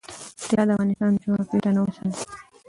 طلا د افغانستان د جغرافیوي تنوع مثال دی.